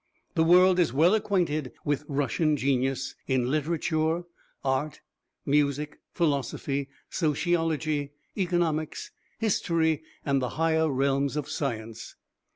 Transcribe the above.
The world is well acquainted with Russian genius in literature, art, music, philosophy, sociology, economics, history, and the higher realms of science.